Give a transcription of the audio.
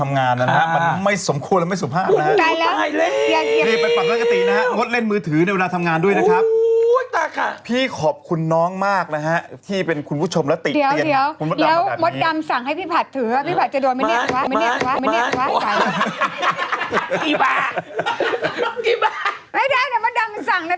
ไม่ได้นะมาดำสั่งนะพี่ไม่ได้ทำอย่างนั้น